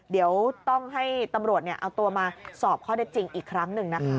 เดี๋ยวต้องให้ตำรวจเอาตัวมาสอบข้อได้จริงอีกครั้งหนึ่งนะคะ